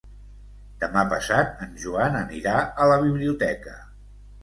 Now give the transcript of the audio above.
Demà passat en Joan anirà a la biblioteca.